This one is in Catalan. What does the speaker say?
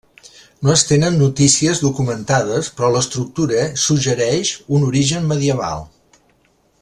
No es tenen notícies documentades, però l'estructura suggereix un origen medieval.